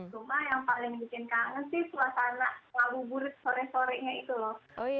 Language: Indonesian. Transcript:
cuma yang paling bikin kangen sih suasana ngabuburit sore sorenya itu loh